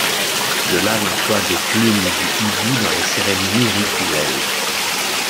De là, l'emploi des plumes du hibou dans les cérémonies rituelles.